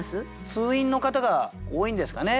通院の方が多いんですかね。